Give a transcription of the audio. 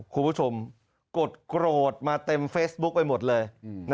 คุณผู้ชมกดโกรธมาเต็มเฟซบุ๊คไปหมดเลย